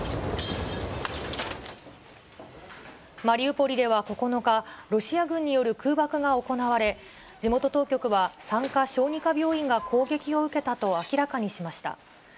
マリウポリでは９日、ロシア軍による空爆が行われ、地元当局は産科・小児科病院が攻撃を受けたと明らかにしました。